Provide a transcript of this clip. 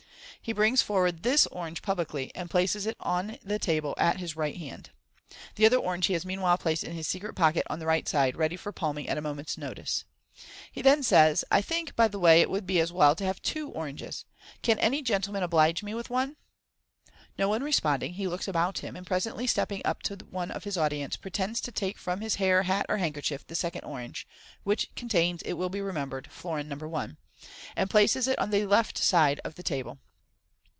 He brings forward this orange publicly, and places it on his table at his right hnnd. (The other orange he has meanwhile placed in his secret pocket on the right side, ready for palming at a moment's notice.) He then says, " I think, by the way, it would be as well to have two oranges. Can any gentleman oblige me with one?" No one responding, he looks about him, and presently stepping up to one of his audience, pretends to take from his hair, hat, or handkerchief this second orange (which contains, it will be remembered, florin No. 1), and places it on the left hand side of the table.